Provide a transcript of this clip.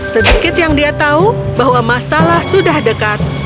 sedikit yang dia tahu bahwa masalah sudah dekat